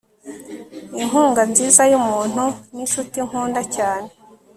inkunga nziza yumuntu ninshuti nkunda cyane